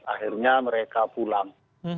akhirnya mereka pulang